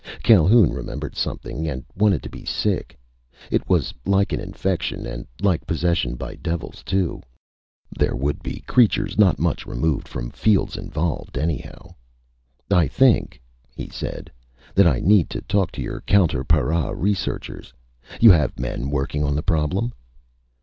Calhoun remembered something, and wanted to be sick. It was like an infection, and like possession by devils, too. There would be creatures not much removed from fields involved, anyhow. "I think," he said, "that I need to talk to your counter para researchers. You have men working on the problem?"